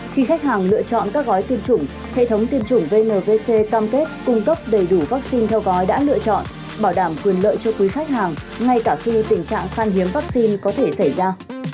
khi khách hàng lựa chọn các gói tiêm chủng hệ thống tiêm chủng vnvc cam kết cung cấp đầy đủ vaccine theo gói đã lựa chọn bảo đảm quyền lợi cho quý khách hàng ngay cả khi tình trạng khan hiếm vaccine có thể xảy ra